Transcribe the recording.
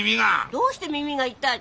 どうして耳が痛い？